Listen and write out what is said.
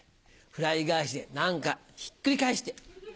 フライ返しで何かひっくり返して。